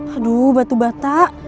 aduh batu bata